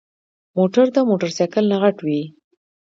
موټر د موټرسايکل نه غټ وي.